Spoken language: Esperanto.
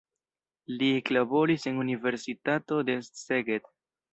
Li eklaboris en universitato de Szeged.